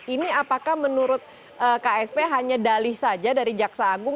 ini apakah menurut ksp hanya dalih saja dari jaksa agung